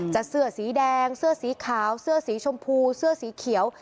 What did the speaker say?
เสื้อสีแดงเสื้อสีขาวเสื้อสีชมพูเสื้อสีเขียว